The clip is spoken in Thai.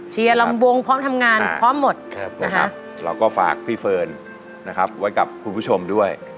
เชียร์ลำวงพร้อมทำงานพร้อมหมด